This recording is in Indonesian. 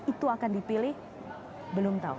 itu akan dipilih belum tahu